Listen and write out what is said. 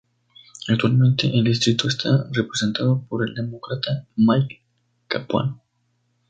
Actualmente el distrito está representado por el Demócrata Mike Capuano.